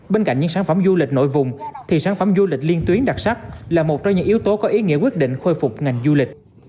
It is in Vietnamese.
bên cạnh những sản phẩm du lịch nội vùng thì sản phẩm du lịch liên tuyến đặc sắc là một trong những yếu tố có ý nghĩa quyết định khôi phục ngành du lịch